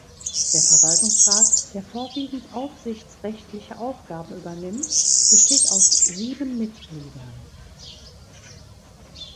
Der Verwaltungsrat, der vorwiegend aufsichtsrechtliche Aufgaben übernimmt, besteht aus sieben Mitgliedern.